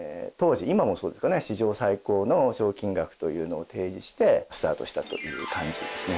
史上最高の賞金額というのを提示してスタートしたという感じですね。